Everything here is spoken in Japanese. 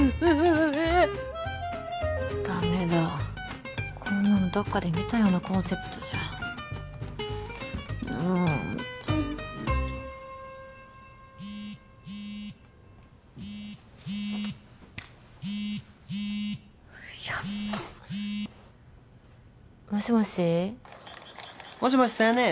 うダメだこんなのどっかで見たようなコンセプトじゃんやばっもしもしもしもし佐弥姉？